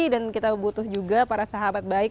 dan kita butuh juga para sahabat baik